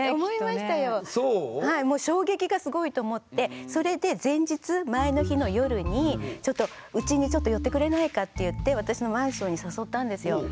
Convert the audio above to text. はいもう衝撃がすごいと思ってそれで前日前の日の夜にちょっとうちにちょっと寄ってくれないかって言って私のマンションに誘ったんですよ。